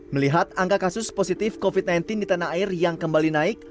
melihat angka kasus positif covid sembilan belas di tanah air yang kembali naik